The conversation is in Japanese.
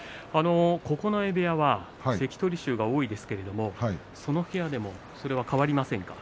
九重部屋は関取衆が多いですけれどもその部屋でもそれは変わりませんか。